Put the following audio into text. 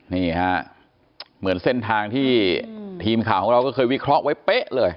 นี่ฮะเหมือนเส้นทางที่ทีมข่าวของเราก็เคยวิเคราะห์ไว้เป๊ะเลย